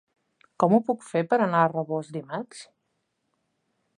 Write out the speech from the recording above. Com ho puc fer per anar a Rabós dimarts?